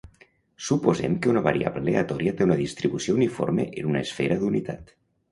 Suposem que una variable aleatòria té una distribució uniforme en una esfera d'unitat.